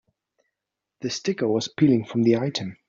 The sticker was peeling from the item.